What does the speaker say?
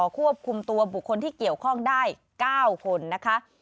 ควบคุมตัวบุคคลที่เกี่ยวข้องได้๙คนนะคะ